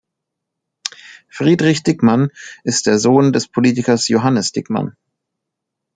Friedrich Dieckmann ist der Sohn des Politikers Johannes Dieckmann.